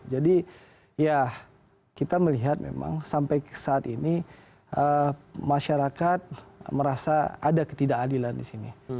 jadi ya kita melihat memang sampai saat ini masyarakat merasa ada ketidakadilan disini